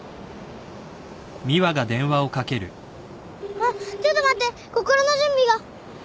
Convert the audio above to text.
あっちょっと待って心の準備が。